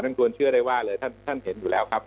ควรเชื่อได้ว่าเลยท่านเห็นอยู่แล้วครับ